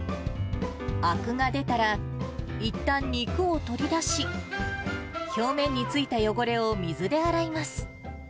あくが出たら、いったん肉を取り出し、表面についた汚れを、水で洗います。